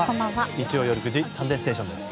日曜夜９時「サンデーステーション」です。